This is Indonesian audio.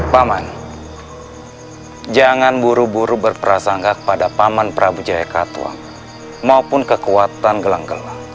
paman jangan buru buru berperasanggah kepada paman prabu jayakatua maupun kekuatan gelang gelang